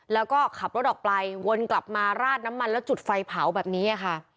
แล้วก็ขับรถออกไปวนกลับมาราดน้ำมันแล้วจุดไฟเผาแบบนี้ค่ะ